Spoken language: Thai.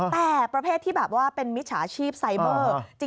แต่ประเภทที่แบบว่าเป็นมิจฉาชีพไซเบอร์